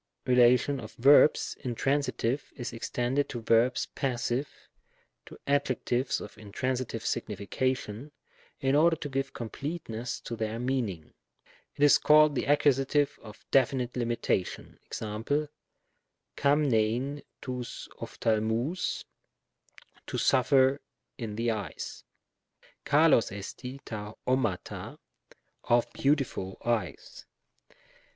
relation of verbs intransitive is ex tended to verbs passive, to adjectives of intransitive signification, in order to give completeness to their meaning. It is called the Accus. of definite limita tion. jEfe., xdfiviiv Tovg ocp&aXiaovgy "to suffer in the eyes;" ^dXog eon rd ofzuaruy " of beautiful eyes.''